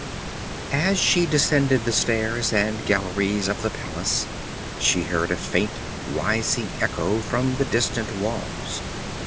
As she descended the stairs and galleries of the palace, she heard a faint rising echo from the distant walls.